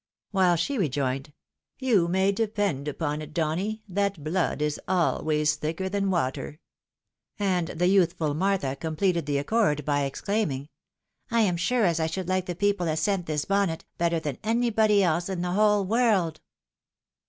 "While she rejoined, 46 THE WIDOW MAKRIBD. " You may depend upon it, Donny, that blood is always thicker than water ;" and the youthful Martha completed the accord by exclaiming, " I am sure as I should like the people fis sent this bonnet, better than anybody else in the whole world